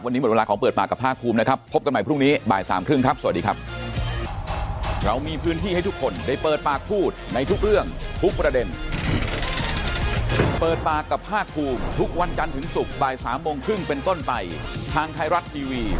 วันนี้หมดเวลาของเปิดปากกับภาคภูมินะครับพบกันใหม่พรุ่งนี้บ่ายสามครึ่งครับสวัสดีครับ